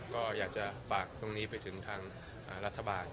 ก็อยากจะฝากตรงนี้ไปถึงทางรัฐบาล